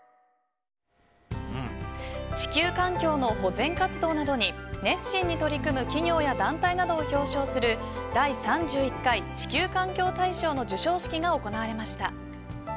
地球環境の保全活動などに熱心に取り組む企業や団体などを表彰する第３１回地球環境大賞の授賞式が行われました。